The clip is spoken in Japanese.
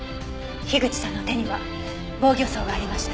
口さんの手には防御創がありました。